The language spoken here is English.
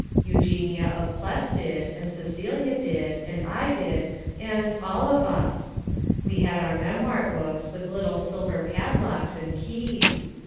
Eugenia of Pless did, and Cecilia did, and I did, and all of us. We all had our memoir books with little silver padlocks and keys.